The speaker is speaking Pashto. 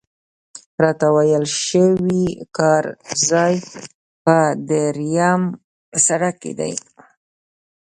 راته ویل شوي کار ځای په درېیم سړک کې دی.